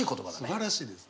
すばらしいですね。